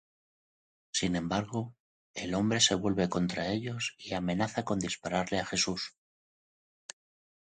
Sin embargo, el hombre se vuelve contra ellos y amenaza con dispararle a Jesús.